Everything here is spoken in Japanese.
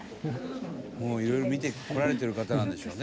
「もういろいろ見てこられてる方なんでしょうね」